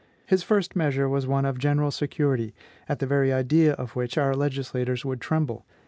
His first measure was one of general security, at the very idea of which our legislators would tremble.